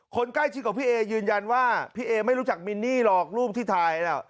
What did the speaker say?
คนใกล้ชิดกับพี่เอยืนยันว่าพี่เอไม่รู้จักมินนี่หรอกรูปที่ถ่ายน่ะ